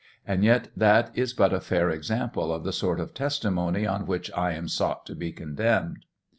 and yet that is but a fair sample of the sort of testimony on wliich I am sought to be condemned.